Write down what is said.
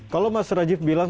kalau mas rajiv bilang